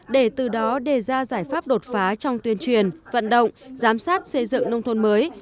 để từ đó đề ra giải pháp đột phá trong tuyên truyền vận động giám sát xây dựng nông thôn mới